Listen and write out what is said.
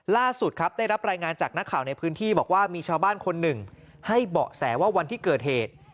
ล่าสุดครับได้รับรายงานจากนักข่าวในพื้นที่บอกว่ามีชาวบ้านคนหนึ่งให้เบาะแสว่าวันที่เกิดเหตุ